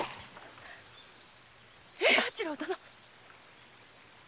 平八郎殿！